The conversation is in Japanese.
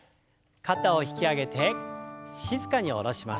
肩を引き上げて静かに下ろします。